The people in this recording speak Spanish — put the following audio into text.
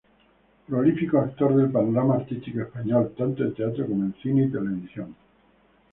Prolífico actor del panorama artístico español, tanto en teatro como en cine y televisión.